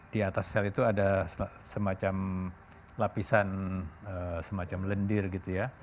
di atas sel itu ada semacam lapisan semacam lendir gitu ya